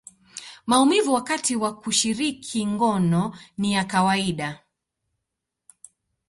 maumivu wakati wa kushiriki ngono ni ya kawaida.